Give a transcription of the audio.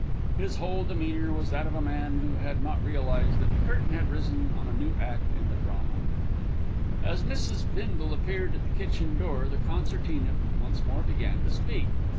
His whole demeanour was that of a man who had not yet realised that the curtain had risen upon a new act in the drama. As Mrs. Bindle appeared at the kitchen door, the concertina once more began to speak.